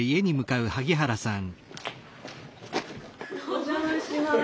お邪魔します。